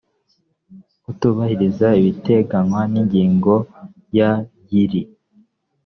kutubahiriza ibiteganywa n ingingo ya y iri